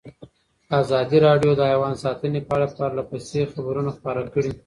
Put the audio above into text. ازادي راډیو د حیوان ساتنه په اړه پرله پسې خبرونه خپاره کړي.